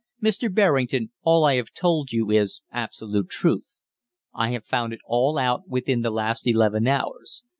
Mr. Berrington, all I have just told you is absolute truth. I have found it all out within the last eleven hours.